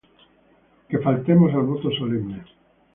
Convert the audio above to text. Que faltemos al voto solemne